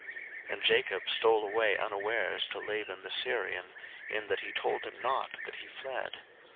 01:031:020 And Jacob stole away unawares to Laban the Syrian, in that he told him not that he fled.